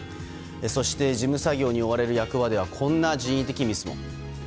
そして、事務作業に追われる役場ではこんな人為的ミスも。